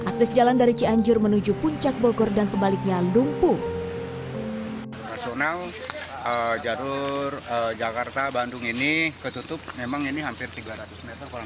berapa orang pak